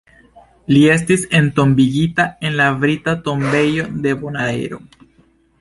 Li estis entombigita en la Brita Tombejo de Bonaero.